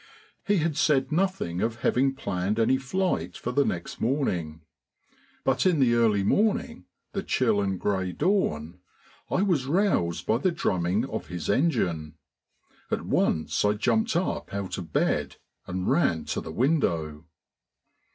He had said nothing of having planned any flight for the next morning; but in the early morning, the chill and grey dawn, I was roused by the drumming of his engine. At once I jumped up out of bed and ran to the window.